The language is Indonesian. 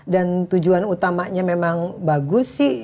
dan tujuan utamanya memang bagus sih